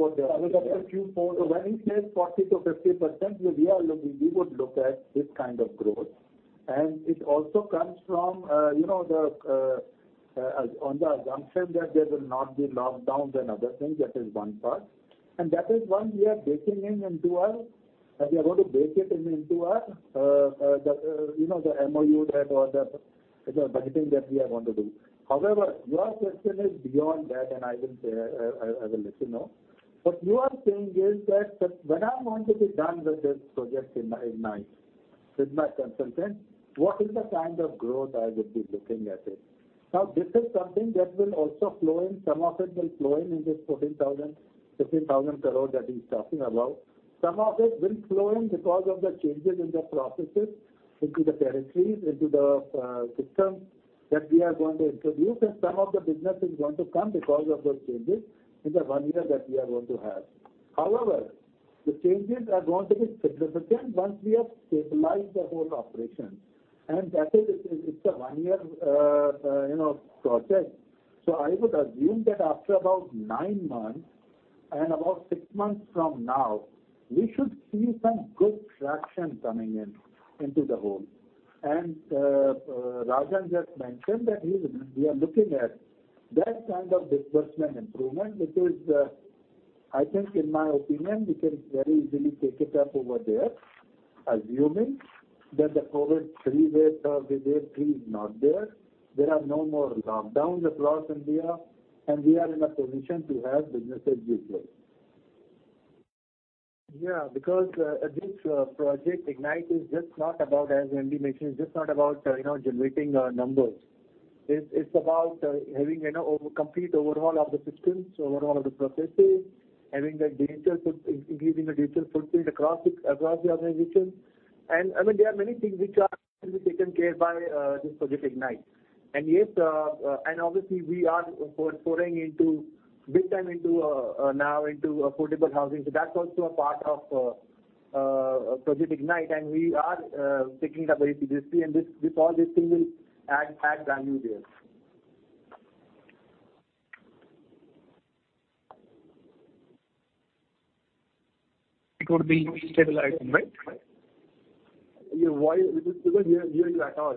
Q4. When he says 40%-50%, we would look at this kind of growth. It also comes from on the assumption that there will not be lockdowns and other things. That is one part, and that is one we are going to bake it into our MOU that, or the budgeting that we are going to do. However, your question is beyond that, and I will let you know. What you are saying is that when I want to be done with this Project IGNITE with my consultant, what is the kind of growth I would be looking at it? This is something that will also flow in. Some of it will flow in this 14,000, 15,000 crore that he's talking about. Some of it will flow in because of the changes in the processes into the territories, into the system that we are going to introduce, and some of the business is going to come because of those changes in the one year that we are going to have. The changes are going to be significant once we have stabilized the whole operation, and that is it's a one-year project. I would assume that after about nine months and about six months from now, we should see some good traction coming in into the whole. Rajan just mentioned that we are looking at that kind of disbursement improvement, which is, I think in my opinion, we can very easily take it up over there, assuming that the COVID third wave is not there are no more lockdowns across India, and we are in a position to have businesses as usual.
Because this Project IGNITE is, as MD mentioned, just not about generating numbers. It's about having a complete overhaul of the systems, overhaul of the processes, having the digital footprint across the organization. There are many things which are going to be taken care of by this Project IGNITE. Obviously we are pouring big time now into affordable housing. That's also a part of Project IGNITE and we are taking it up very seriously and all this thing will add value there.
It would be stabilizing, right?
Because we are here at all.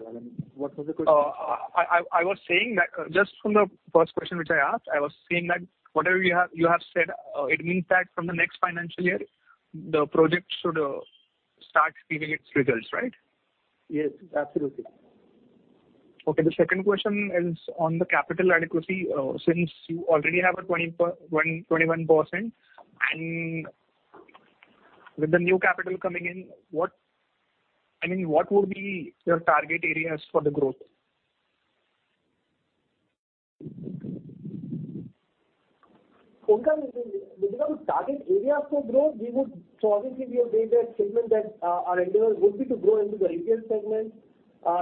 What was the question?
I was saying that just from the first question, which I asked, I was saying that whatever you have said, it means that from the next financial year, the project should start giving its results, right?
Yes, absolutely.
Okay. The second question is on the capital adequacy. Since you already have a 21%, and with the new capital coming in, what would be your target areas for the growth?
With regard to target areas for growth, obviously we have made that statement that our endeavor would be to grow into the retail segment.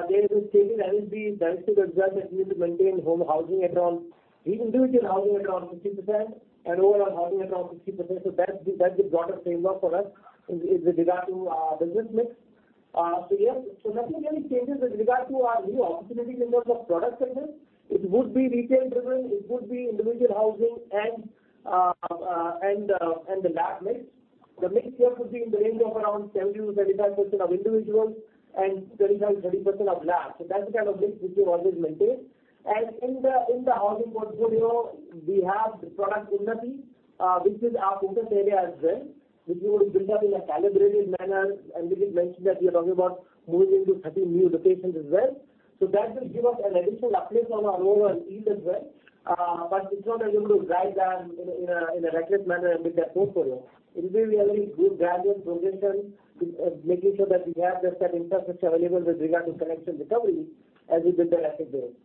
There is a stated MD directive as well that we need to maintain home housing at around, individual housing around 50% and overall housing around 60%. That's the broader framework for us with regard to our business mix. Yes. Nothing really changes with regard to our new opportunity in terms of product segment. It would be retail driven, it would be individual housing and the LAP mix. The mix here could be in the range of around 70%-75% of individuals and 25%-30% of LAPs. That's the kind of mix which we always maintain. In the housing portfolio, we have the product Unnati, which is our interest area as well, which we would build up in a calibrated manner. We mentioned that we are talking about moving into 30 new locations as well. That will give us an additional uplift on our overall AUM as well. It's not as if we would drive that in a reckless manner and build that portfolio. It will be a very good gradual progression, making sure that we have that infrastructure available with regard to collection recovery as we did earlier days.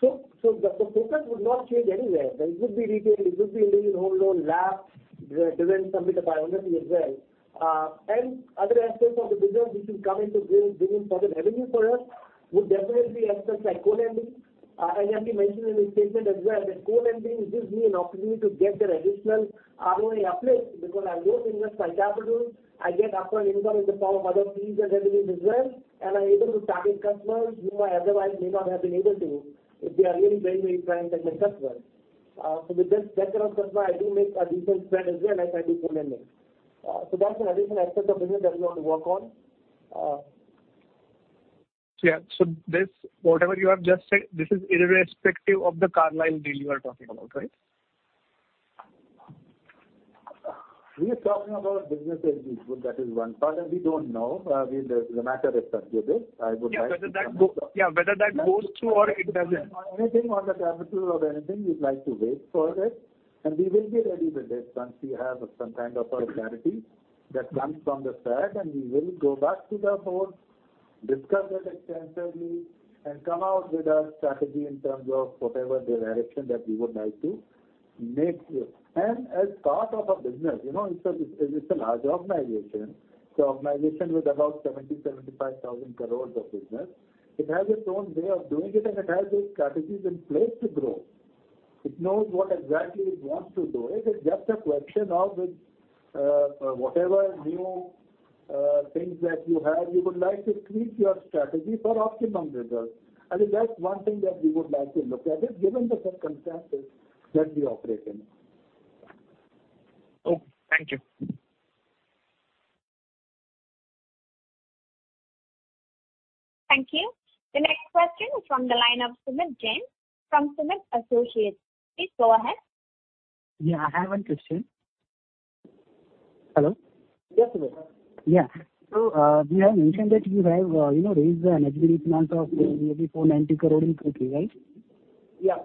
The focus would not change anywhere. It would be retail, it would be individual home loan LAPs driven from the Unnati as well. Other aspects of the business which will come into play, giving further revenue for us would definitely aspects like co-lending. As MD mentioned in his statement as well, that co-lending gives me an opportunity to get that additional ROA uplift because I don't invest my capital. I get upfront income in the form of other fees and revenue as well, and I'm able to target customers whom I otherwise may not have been able to if they are really very prime technical customers. With this set kind of customer, I do make a decent spread as well as I do co-lending. That's an additional aspect of business that we want to work on.
Yeah. This, whatever you have just said, this is irrespective of the Carlyle deal you are talking about, right?
We are talking about business as usual. That is one part, and we don't know. The matter is tentative. I would like to.
Yeah. Whether that goes through or it doesn't.
Anything on the capital or anything, we'd like to wait for it. We will be ready with it once we have some kind of a clarity that comes from the side. We will go back to the board, discuss it extensively, and come out with a strategy in terms of whatever the direction that we would like to make here. As part of a business, it's a large organization. It's a organization with about 70,000 crore-75,000 crore of business. It has its own way of doing it, and it has the strategies in place to grow. It knows what exactly it wants to do. It is just a question of with whatever new things that you have, you would like to tweak your strategy for optimum results. I think that's one thing that we would like to look at it given the circumstances that we operate in.
Okay. Thank you.
Thank you. The next question is from the line of Sumit Jain from Sumit Associates. Please go ahead.
Yeah. You have mentioned that you have raised an NHB amount of maybe 490 crore in Q3, right Your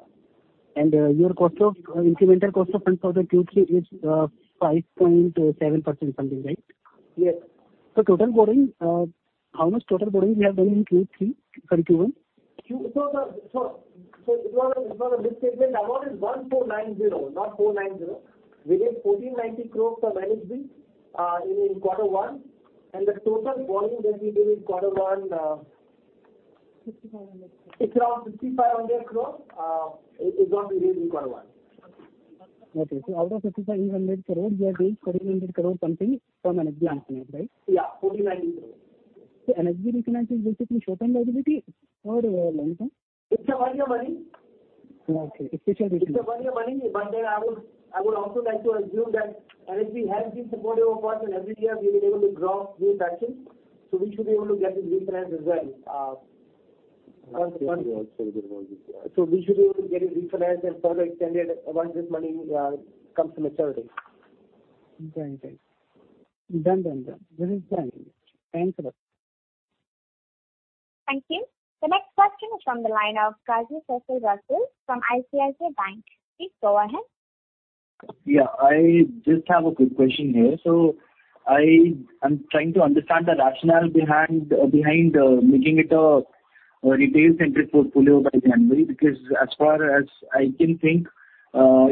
incremental cost of funds for the Q3 is 5.7% funding, right?
Yes.
How much total borrowing you have done in Q3 from Q1?
It was a misstatement. The amount is INR 1,490, not INR 490. We raised INR 1,490 crores for management in Quarter One. The total borrowing that we did in Quarter One.
Okay. out of 5,500 crores, we have raised 1,400 crores something from NHB refinance, right?
Yeah, 1,490 crores.
NHB refinance is basically short-term liability or long-term?
It's a one-year money.
Okay. It's a short-term.
It's a one-year money. I would also like to assume that NHB has been supportive of us, every year we will able to draw new batches. We should be able to get it refinanced as well.
Okay.
We should be able to get it refinanced and further extended once this money comes to maturity.
Done. Very done. Thanks a lot.
Thank you. The next question is from the line of Qazi Saifur Rasool from ICICI Bank. Please go ahead.
Yeah. I just have a quick question here. I am trying to understand the rationale behind making it a retail-centric portfolio by January, because as far as I can think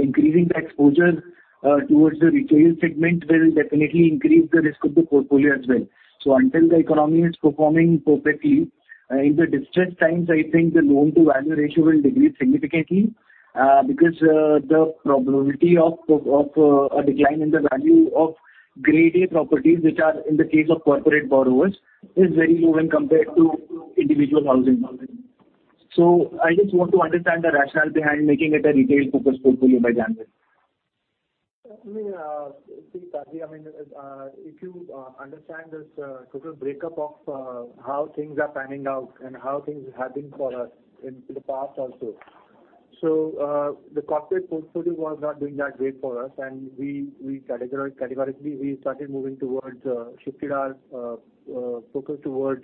increasing the exposure towards the retail segment will definitely increase the risk of the portfolio as well. Until the economy is performing perfectly in the distressed times, I think the loan-to-value ratio will decrease significantly, because the probability of a decline in the value of grade A properties, which are in the case of corporate borrowers, is very low when compared to individual housing loans. I just want to understand the rationale behind making it a retail-focused portfolio by January.
See, Qazi, if you understand this total breakup of how things are panning out and how things have been for us in the past also. The corporate portfolio was not doing that great for us, and categorically, we shifted our focus towards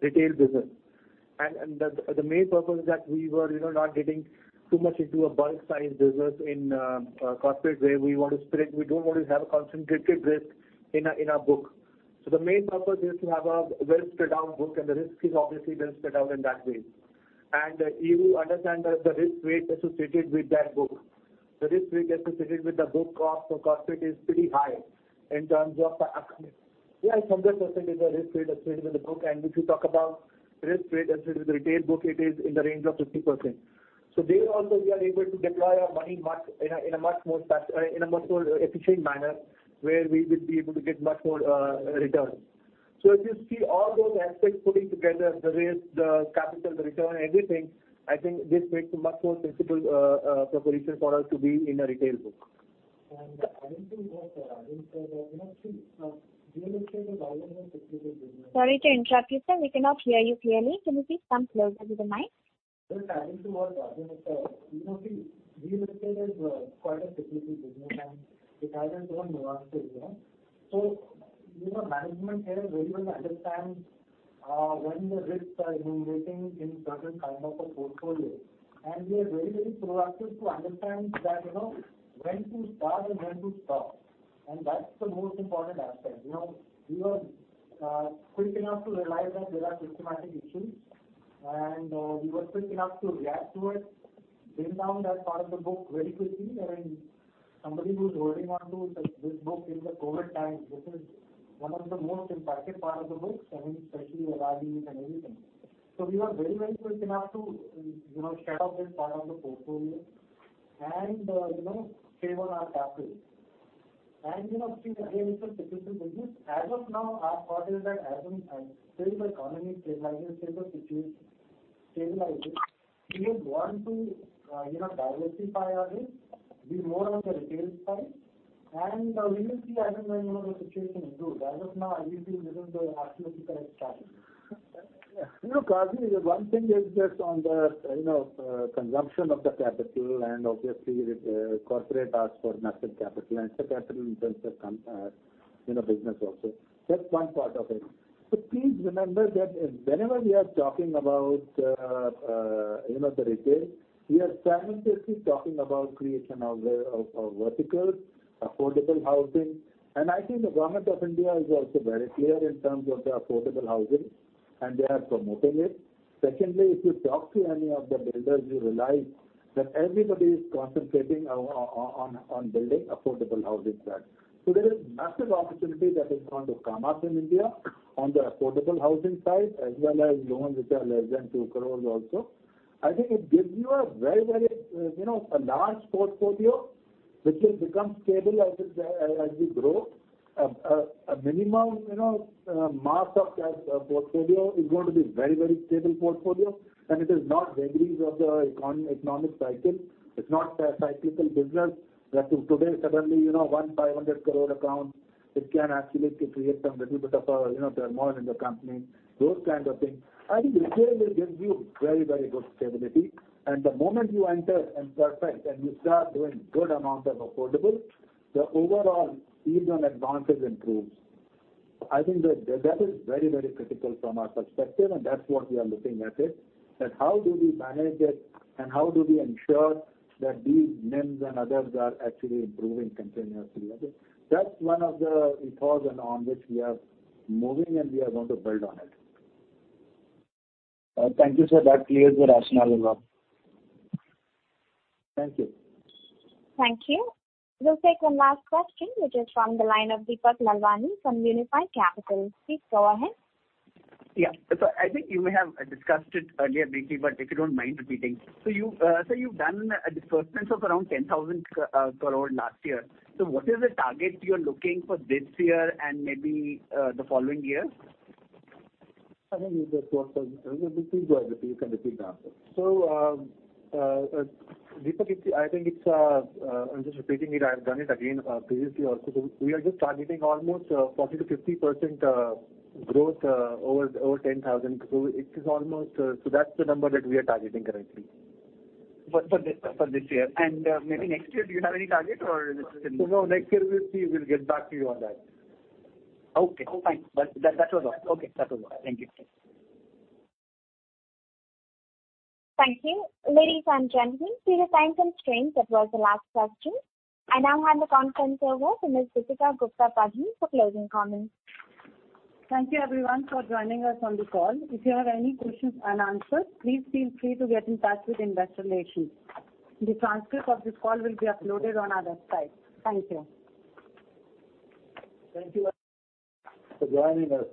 retail business. The main purpose is that we were not getting too much into a bulk size business in a corporate way. We want to spread. We don't want to have a concentrated risk in our book. The main purpose is to have a well spread out book, and the risk is obviously well spread out in that way. You understand that the risk weight associated with that book. The risk weight associated with the book of corporate is pretty high in terms of the 100% is the risk weight associated with the book. If you talk about risk weight associated with the retail book, it is in the range of 50%. There also we are able to deploy our money in a much more efficient manner where we will be able to get much more return. If you see all those aspects putting together the risk, the capital, the return, everything, I think this makes a much more sensible proposition for us to be in a retail book.
Adding to what Rajan said, real estate is always a cyclical business.
Sorry to interrupt you, sir. We cannot hear you clearly. Can you please come closer to the mic?
Just adding to what Rajan said. Real estate is quite a cyclical business and it has its own nuances. Management here very well understands when the risks are accumulating in certain kind of a portfolio. We are very proactive to understand that when to start and when to stop. That's the most important aspect. We were quick enough to realize that there are systematic issues, and we were quick enough to react to it, bring down that part of the book very quickly. I mean, somebody who's holding on to this book in the COVID times, this is one of the most impacted part of the books, I mean, especially evaluations and everything. We were very quick enough to shed off this part of the portfolio and save on our capital. Again, it's a cyclical business. As of now, our thought is that as and when the economy stabilizes, the situation stabilizes, we would want to diversify our risk, be more on the retail side, and we will see as and when the situation improves. As of now, we feel this is the optimistic strategy.
Look, Qazi, one thing is just on the consumption of the capital and obviously corporate asks for massive capital and sub-capital in terms of business also. That's one part of it. Please remember that whenever we are talking about the retail, we are simultaneously talking about creation of verticals, affordable housing. I think the Government of India is also very clear in terms of the affordable housing, and they are promoting it. Secondly, if you talk to any of the builders you realize that everybody is concentrating on building affordable housing stocks. There is massive opportunity that is going to come up in India on the affordable housing side, as well as loans which are less than 2 crore also. I think it gives you a large portfolio which will become stable as we grow A minimum mass of that portfolio is going to be very stable portfolio, and it is not vagaries of the economic cycle. It is not a cyclical business that today suddenly, 1 500 crore account, it can actually create some little bit of turmoil in the company, those kinds of things. I think retail will give you very good stability. The moment you enter and perfect and you start doing good amounts of affordable, the overall yield on advances improves. I think that is very critical from our perspective, and that's what we are looking at it, that how do we manage it, and how do we ensure that these NIMs and others are actually improving continuously. I think that's one of the ethos on which we are moving, and we are going to build on it.
Thank you, sir. That clears the rationale as well.
Thank you.
Thank you. We'll take one last question, which is from the line of Deepak Lalwani from Unifi Capital. Please go ahead.
Yeah. Sir, I think you may have discussed it earlier briefly, but if you don't mind repeating. Sir, you've done disbursements of around 10,000 crore last year. What is the target you're looking for this year and maybe the following year?
Deepak, I think I'm just repeating it. I've done it again previously also. We are just targeting almost 40%-50% growth over 10,000. That's the number that we are targeting currently.
For this year. Maybe next year, do you have any target or this is in-
No, next year we'll see. We'll get back to you on that.
Okay. Thanks. That was all. Okay. That was all. Thank you.
Thank you. Ladies and gentlemen, due to time constraints, that was the last question. I now hand the conference over to Ms. Deepika Gupta Padhi for closing comments.
Thank you everyone for joining us on the call. If you have any questions unanswered, please feel free to get in touch with Investor Relations. The transcript of this call will be uploaded on our website. Thank you.
Thank you for joining us.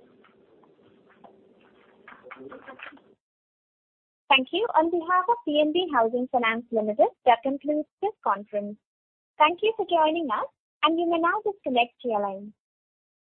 Thank you. On behalf of PNB Housing Finance Limited, that concludes this conference. Thank you for joining us, and you may now disconnect your line.